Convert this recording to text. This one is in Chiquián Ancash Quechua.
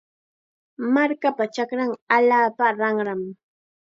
Markapa chakranqa allaapa ranram.